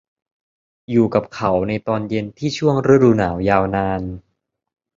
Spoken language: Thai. อยู่กับเขาในตอนเย็นที่ช่วงฤดูหนาวยาวนาน